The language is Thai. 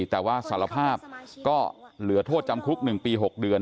แต่ว่าสารภาพก็เหลือโทษจำคุก๑ปี๖เดือน